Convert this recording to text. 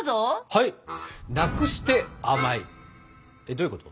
どういうこと？